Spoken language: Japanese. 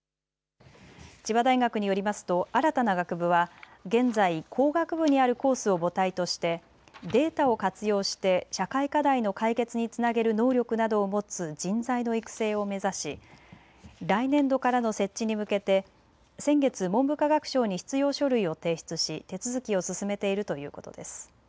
千葉大学によりますと新たな学部は現在、工学部にあるコースを母体としてデータを活用して社会課題の解決につなげる能力などを持つ人材の育成を目指し来年度からの設置に向けて先月、文部科学省に必要書類を提出し手続きを進めているということです。